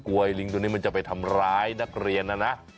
ลิงตัวนี้มันจะไปทำร้ายนักเรียนนะนะ